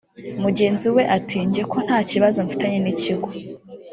Mugenzi we ati “Jye ko nta kibazo mfitanye n’ikigo